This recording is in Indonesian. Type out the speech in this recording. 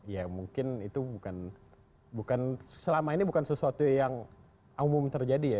ya mungkin itu bukan selama ini bukan sesuatu yang umum terjadi ya